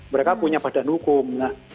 mereka punya badan hukum